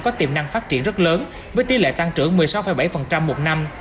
có tiềm năng phát triển rất lớn với tỷ lệ tăng trưởng một mươi sáu bảy một năm